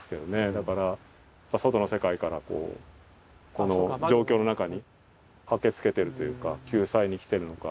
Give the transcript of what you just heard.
だからやっぱ外の世界からこうこの状況の中に駆けつけてるというか救済に来てるのか。